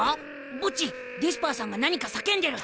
ボッジデスパーさんが何か叫んでる。